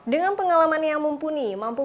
dengan pengalaman yang mumpuni